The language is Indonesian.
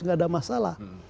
nggak ada masalah